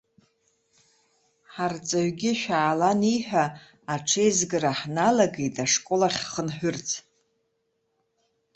Ҳарҵаҩгьы шәаала аниҳәа, аҽеизгара ҳналагеит, ашкол ахь ҳхынҳәырц.